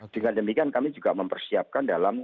dengan demikian kami juga mempersiapkan dalam